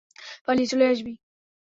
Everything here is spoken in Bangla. পালিয়ে চলে আসবি!